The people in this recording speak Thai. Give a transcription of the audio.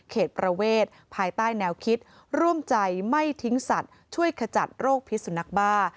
ประเวทภายใต้แนวคิดร่วมใจไม่ทิ้งสัตว์ช่วยขจัดโรคพิษสุนักบ้า